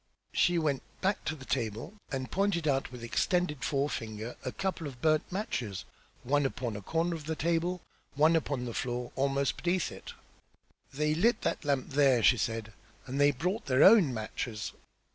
She went back to the table and pointed out with extended forefinger a couple of burned matches, one upon a corner of the table, one upon the floor almost beneath it. "They lit that lamp there!" she said. "And they brought their own matches.